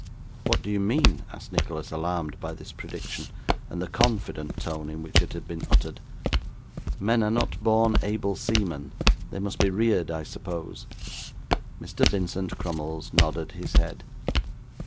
'What do you mean?' asked Nicholas, alarmed by this prediction, and the confident tone in which it had been uttered. 'Men are not born able seamen. They must be reared, I suppose?' Mr. Vincent Crummles nodded his head.